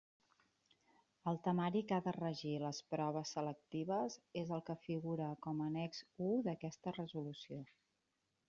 El temari que ha de regir les proves selectives és el que figura com a annex u d'aquesta resolució.